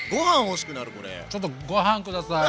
ちょっとご飯下さい！